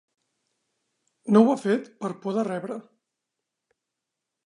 No ho ha fet per por de rebre.